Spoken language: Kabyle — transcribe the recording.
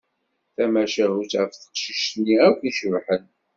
Tamacahut ɣef teqcict-nni akk icebḥen.